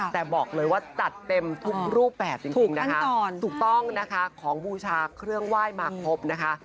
แต่บอกเลยว่าจัดเต็มทุกรูปแบบจริงนะคะถูกต้องนะคะของบูชาเครื่องไหว้มาครบนะคะ